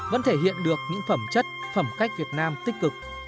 vẫn thể hiện được những phẩm chất phẩm cách việt nam tích cực